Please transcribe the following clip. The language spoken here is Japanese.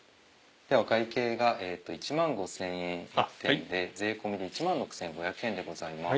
お会計が１万５０００円１点で税込みで１万６５００円です。